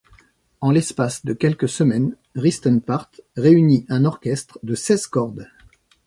En l’espace de quelques semaines, Ristenpart réunit un orchestre de seize cordes.